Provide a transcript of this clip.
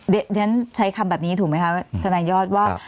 เรียนใช้คำแบบนี้ถูกไหมคะทนายยอดว่า